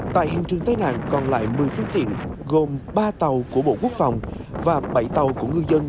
tại hiện trường tái nạn còn lại một mươi phương tiện gồm ba tàu của bộ quốc phòng và bảy tàu của ngư dân